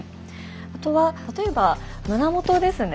あとは例えば胸元ですね。